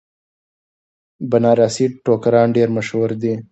بنارسي ټوکران ډیر مشهور دي.